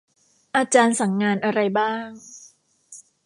อาจารย์สั่งงานอะไรบ้าง